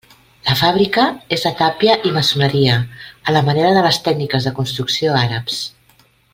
La fàbrica és de tàpia i maçoneria a la manera de les tècniques de construcció àrabs.